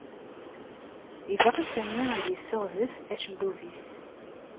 Yebɣa Sami ad yessiɣzef acebbub-is.